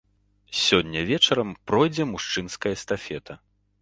Сёння вечарам пройдзе мужчынская эстафета.